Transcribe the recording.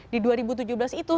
di dua ribu tujuh belas itu